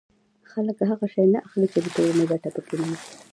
خلک هغه شی نه اخلي چې د ټولنې ګټه پکې نه وي